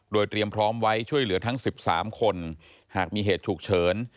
โดยเตรียมพร้อมไว้ช่วยเหลือทั้ง๑๓คนหากมีเหตุฉุกเฉิน